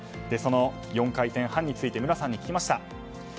その４回転半について無良さんに聞きました。